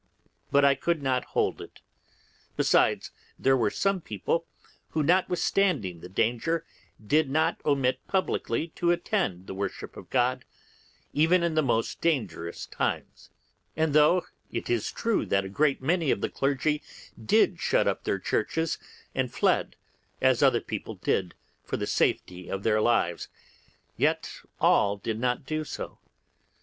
But I could not hold it. Besides, there were some people who, notwithstanding the danger, did not omit publicly to attend the worship of God, even in the most dangerous times; and though it is true that a great many clergymen did shut up their churches, and fled, as other people did, for the safety of their lives, yet all did not do so.